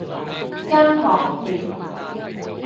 筋膜炎